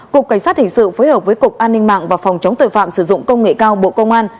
cục cảnh sát hình sự phối hợp với cục an ninh mạng và phòng chống tội phạm sử dụng công nghệ cao bộ công an